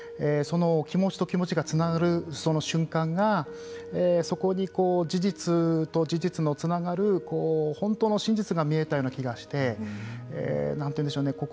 その気持ちと気持ちがつながるその瞬間がそこに事実と事実のつながる本当の真実が見えたような気がして何というんでしょうね